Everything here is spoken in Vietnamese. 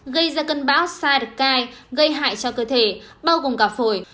gây ra cân báo sars cov hai gây hại cho cơ thể bao gồm cả phổi